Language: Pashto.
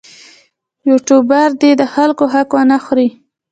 یوټوبر دې د خلکو حق ونه خوري.